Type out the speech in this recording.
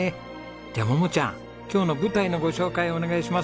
じゃあ桃ちゃん今日の舞台のご紹介お願いします。